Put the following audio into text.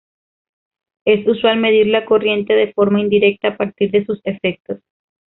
Es usual medir la corriente de forma indirecta a partir de sus efectos.